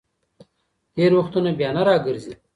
تېر وختونه بیا نه راګرځي.